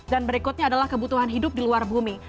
dan berikutnya adalah kebutuhan hidup di luar bumi